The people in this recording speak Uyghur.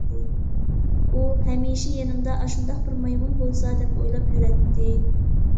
ئۇ ھەمىشە يېنىمدا ئاشۇنداق بىر مايمۇن بولسا دەپ ئويلاپ يۈرەتتى.